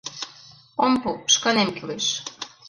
Ом пу, шканем кӱлеш...